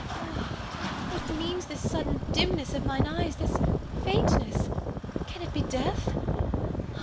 Ah, what means this sudden dimness of mine eyes, this faintness can it be death?